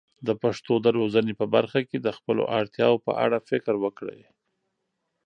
د پښتو د روزنې په برخه کې د خپلو اړتیاوو په اړه فکر وکړي.